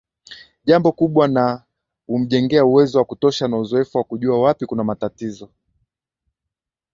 jambo kubwa na umemjengea uwezo wa kutosha na uzoefu wa kujua wapi kuna matatizo